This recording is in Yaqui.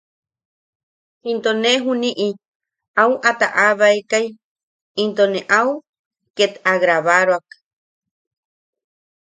Into ne juni’i au a ta’abaekai into ne au ket a grabaroak.